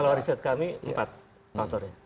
kalau riset kami empat faktornya